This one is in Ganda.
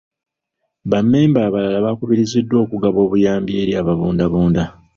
Ba memba abalala bakubiriziddwa okugaba obuyambi eri ababundabunda.